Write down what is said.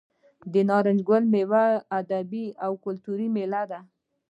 د نارنج ګل میله یوه ادبي او کلتوري میله ده.